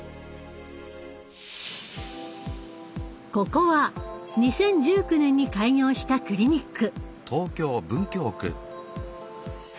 ここは２０１９年に開業したクリニック。